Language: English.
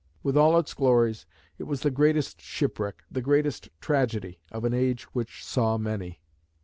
With all its glories, it was the greatest shipwreck, the greatest tragedy, of an age which saw many.